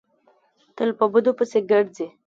تل په بدو پسې ګرځي.